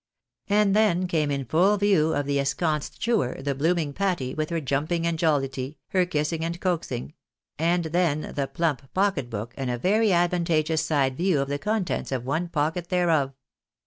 And then came in full view of the ensconced chewer, the blooming Patty, with her jumping and joUity, her kissing and coaxing ; and then the plump pocket book, and a very advantageous side view of the contents of one pocket thereof.